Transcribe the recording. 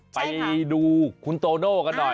ไปดูคุณโตโน่กันหน่อย